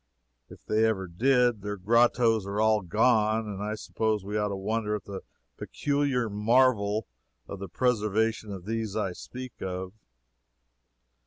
If they ever did, their grottoes are all gone, and I suppose we ought to wonder at the peculiar marvel of the preservation of these I speak of.